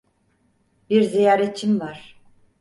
Bir ziyaretçin var.